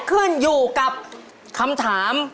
ขึ้นอยู่กับคำถาม